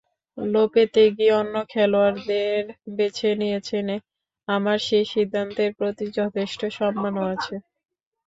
লোপেতেগি অন্য খেলোয়াড়দের বেছে নিয়েছেন, আমার সেই সিদ্ধান্তের প্রতি যথেষ্ট সম্মানও আছে।